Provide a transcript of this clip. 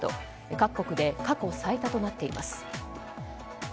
各国で過去最多となっています。